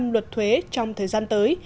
năm luật thuế trong thời gian tới